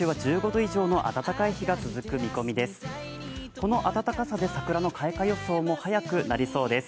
この暖かさで桜の開花予想も早くなりそうです。